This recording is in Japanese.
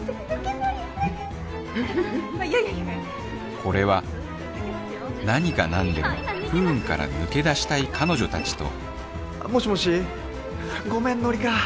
これは何が何でも不運から抜け出したい彼女たちともしもしごめん乃理花。